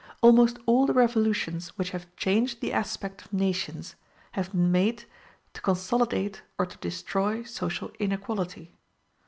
Almost all the revolutions which have changed the aspect of nations have been made to consolidate or to destroy social inequality.